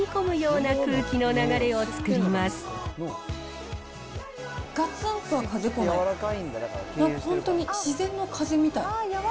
なんか本当に自然の風みたい。